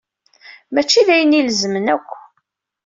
Mačči d ayen ilezmen akk.